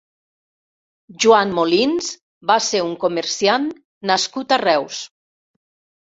Joan Molins va ser un comerciant nascut a Reus.